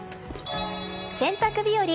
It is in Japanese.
洗濯日和。